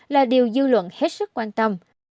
là điều dư luận hết sức quan tâm